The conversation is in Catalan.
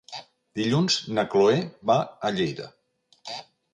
Dilluns na Chloé va a Lleida.